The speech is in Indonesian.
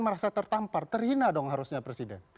merasa tertampar terhina dong harusnya presiden